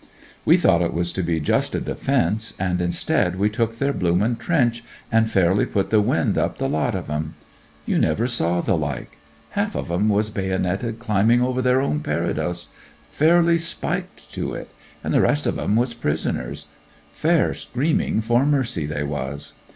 We thought it was to be just a defence, and instead we took their blooming trench and fairly put the wind up the lot of them. You never saw the like. Half of 'em was baynited climbing over their own parados, fairly spiked to it, and the rest of 'em was prisoners; fair screaming for mercy they was.